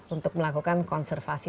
untuk melakukan konservasi